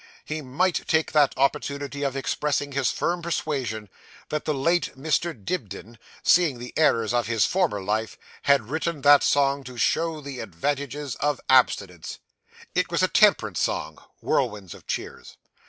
He might take that opportunity of expressing his firm persuasion that the late Mr. Dibdin, seeing the errors of his former life, had written that song to show the advantages of abstinence. It was a temperance song (whirlwinds of cheers).